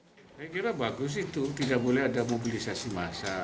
saya kira bagus itu tidak boleh ada mobilisasi massa